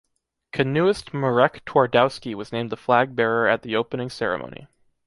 Canoeist Marek Twardowski was named the flag bearer at the opening ceremony.